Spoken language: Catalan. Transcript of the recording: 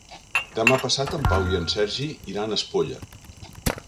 Demà passat en Pau i en Sergi iran a Espolla.